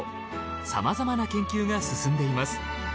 さまざまな研究が進んでいます。